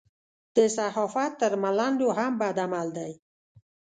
د صحافت تر ملنډو هم بد عمل دی.